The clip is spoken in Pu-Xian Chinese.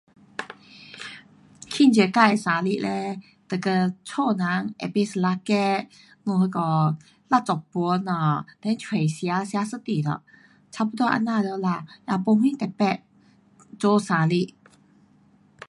庆祝自的生日嘞，就跟家的人，会买一粒 cake，那家那个蜡烛吹下，then 出吃吃一顿咯，差不多这样了啦，也没什特别做生日。